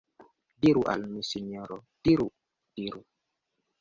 Diru al mi, sinjoro, diru, diru!